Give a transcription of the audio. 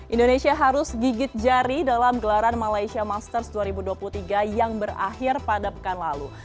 indonesia harus gigit jari dalam gelaran malaysia masters dua ribu dua puluh tiga yang berakhir pada pekan lalu